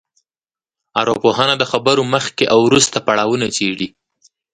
ارواپوهنه د خبرو مخکې او وروسته پړاوونه څېړي